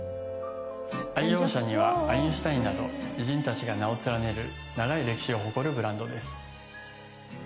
愛用者にはアインシュタインなど偉人たちが名を連ねる長い歴史を誇るブランドです。